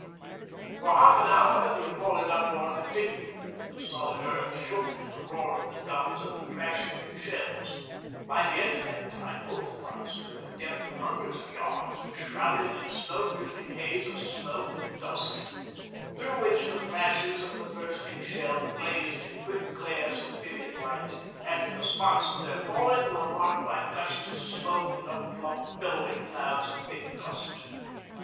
For half an hour the appalling uproar continued, the solid earth shook to the roar of the guns and the crashing of the shells. By the end of that time both fronts to a depth of hundreds of yards were shrouded in a slow drifting haze of smoke and dust, through which the flashes of the bursting shell blazed in quick glares of vivid light, and the spots of their falling were marked by gushes of smoke and upflung billowing clouds of thick dust.